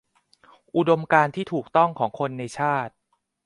อุดมการณ์ที่ถูกต้องของคนในชาติ